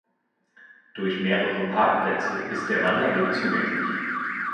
Durch mehrere Parkplätze ist der Wanderweg zugänglich.